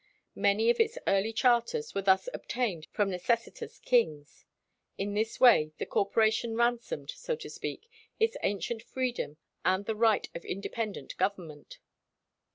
Many of its early charters were thus obtained from necessitous kings. In this way the Corporation ransomed, so to speak, its ancient freedom and the right of independent government.